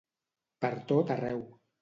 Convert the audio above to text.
Per tot arreu.